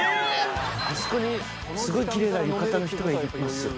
あそこにすごい奇麗な浴衣の人がいますよ。